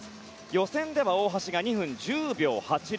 予選では大橋が２分１０秒８０。